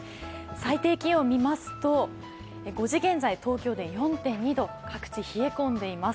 最低気温見ますと、５時現在東京で４．２度、各地、冷え込んでいます。